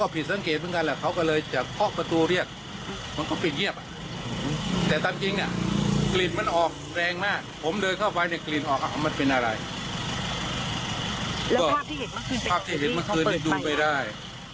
เพื่อให้เห็นเมื่อคืนนิดนึงไปได้